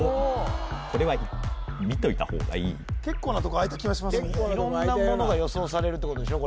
これは見といた方がいい結構なとこ開いたような色んなものが予想されるってことでしょ